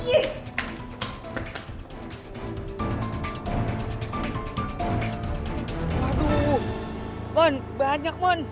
aduh mon banyak mon